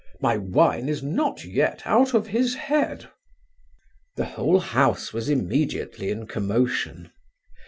My wine is not yet out of his head.' The whole house was immediately in commotion.